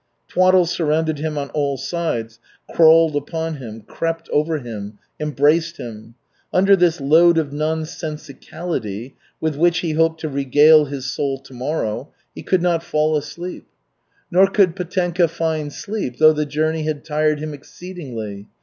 Twaddle surrounded him on all sides, crawled upon him, crept over him, embraced him. Under this load of nonsensicality, with which he hoped to regale his soul tomorrow, he could not fall asleep. Nor could Petenka find sleep, though the journey had tired him exceedingly.